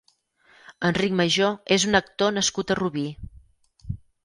Enric Majó és un actor nascut a Rubí.